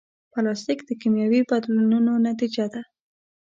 پلاستيک د کیمیاوي بدلونونو نتیجه ده.